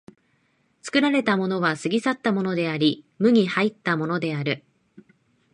作られたものは過ぎ去ったものであり、無に入ったものである。